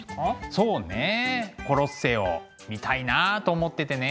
そうねコロッセオ見たいなあと思っててね。